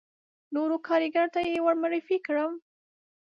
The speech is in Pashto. نورو کاریګرو ته یې ور معرفي کړم.